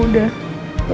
lu udah ngapain